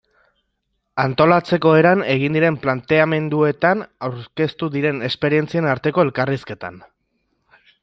Antolatzeko eran, egin diren planteamenduetan, aurkeztu diren esperientzien arteko elkarrizketan...